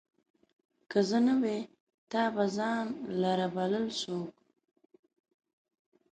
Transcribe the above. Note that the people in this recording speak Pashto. که زه نه وای، تا به ځان لره بلل څوک